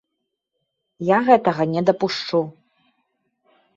Я гэтага не дапушчу.